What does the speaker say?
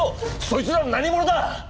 そいつらは何者だ！？